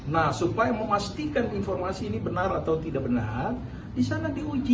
nah supaya memastikan informasi ini benar atau tidak benar di sana diuji